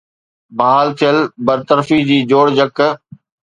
بحال ٿيل برطرفي جي جوڙجڪ